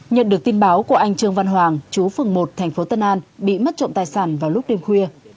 nhận được tin báo của anh trương văn hoàng chú phường một thành phố tân an bị mất trộm tài sản vào lúc đêm khuya